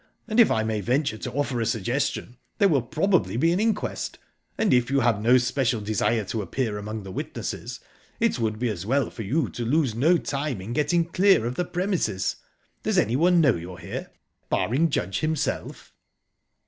And if I may venture to offer a suggestion there will probably be an inquest, and, if you have no special desire to appear among the witnesses, it would be as well for you to lose no time in getting clear of the premises. Does anyone know you're here, barring Judge himself?"